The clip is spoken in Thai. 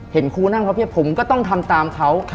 เห็นครูนั่งพับเพียบผมก็ต้องทำตามเขา